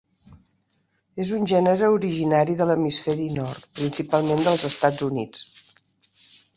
És un gènere originari de l'hemisferi Nord, principalment dels Estats Units.